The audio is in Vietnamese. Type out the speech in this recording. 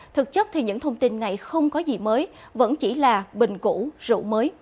thực chất thì những thông tin này không có gì mới vẫn chỉ là bình củ rượu mới